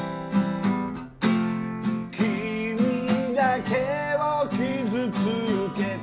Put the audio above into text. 「君だけを傷つけて」